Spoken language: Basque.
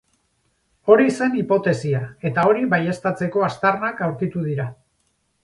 Hori zen hipotesia, eta hori baieztatzeko aztarnak aurkitu dira.